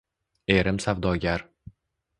Erim savdogar.